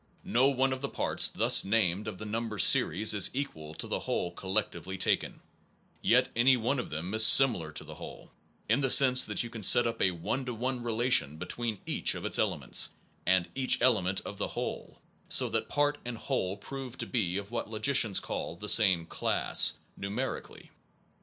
No one of the parts, thus named, of the number series, is equal to the whole collectively taken; yet any one of them is 6 similar to the whole, in the sense that you can set up a one to one relation between each of its elements and each element of the whole, so that part and whole prove to be of what logicians call the same class, numeri cally.